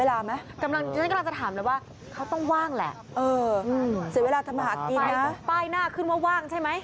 ป้ายหน้าขึ้นว่าว่างใช่ไหม